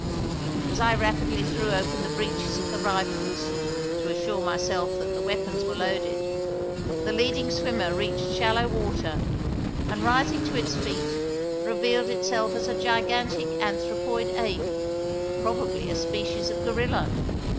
As I rapidly threw open the breeches of the rifles, to assure myself that the weapons were loaded, the leading swimmer reached shallow water and, rising to its feet, revealed itself as a gigantic anthropoid ape, probably a species of gorilla.